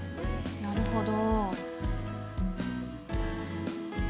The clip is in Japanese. なるほど。